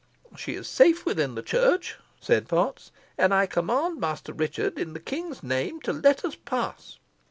"She is safe within the church," said Potts, "and I command Master Richard, in the king's name, to let us pass.